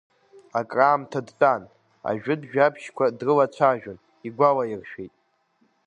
Акраамҭа дтәан, ажәытә жәабжьқәа дрылацәажәон, игәалаиршәеит…